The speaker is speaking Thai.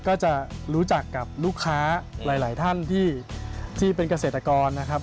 ก็จะรู้จักกับลูกค้าหลายท่านที่เป็นเกษตรกรนะครับ